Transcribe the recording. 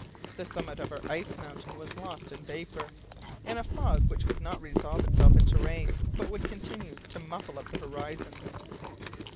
The summit of our ice mountain was lost in vapour, in a fog which would not resolve itself into rain, but would continue to muffle up the horizon.